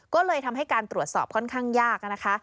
ก็เลยทำให้การตรวจสอบค่อนข้างยากนะคะ